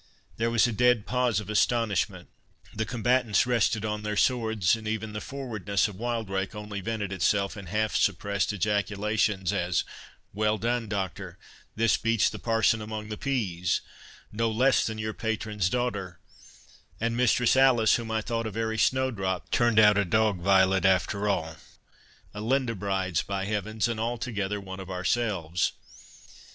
There was a dead pause of astonishment—the combatants rested on their swords—and even the forwardness of Wildrake only vented itself in half suppressed ejaculations, as, "Well done, Doctor—this beats the 'parson among the pease'—No less than your patron's daughter—And Mistress Alice, whom I thought a very snowdrop, turned out a dog violet after all—a Lindabrides, by heavens, and altogether one of ourselves."